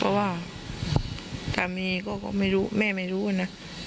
เพราะว่าสามีก็ไม่รู้แม่ไม่รู้นะ